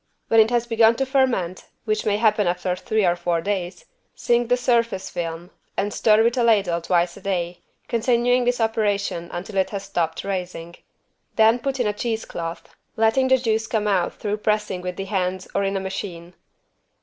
When it has begun to ferment (which may happen after three or four days) sink the surface film and stir with a ladle twice a day, continuing this operation until it has stopped raising. Then put in a cheese cloth, letting the juice come out through pressing with the hands or in a machine.